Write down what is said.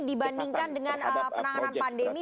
dibandingkan dengan penanganan pandemi